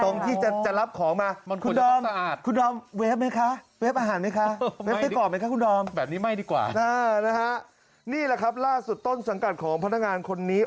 นี่แหละครับล่าสุดต้นสังกัดของพนักงานคนนี้